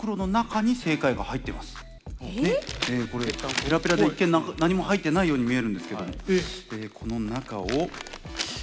ペラペラで一見何も入ってないように見えるんですけどもこの中を見てみるとここに。